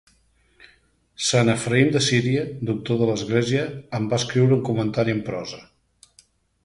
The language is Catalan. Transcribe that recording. Sant Efraïm de Síria, Doctor de l'Església, em va escriure un comentari en prosa.